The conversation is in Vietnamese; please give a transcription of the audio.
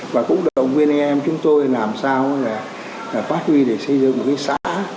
và cũng động viên anh em chúng tôi làm sao là phát huy để xây dựng một cái xã